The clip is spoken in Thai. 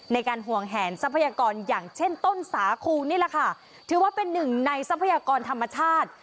ในการห่วงแหนทรัพยากรอย่างเช่นต้นสาคูนี่แหละค่ะถือว่าเป็นหนึ่งในทรัพยากรธรรมชาติ